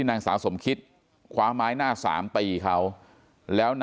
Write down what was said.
แล้วก็เอาเศษจากกายานยนต์แล้วก็เอาไปทิ้ง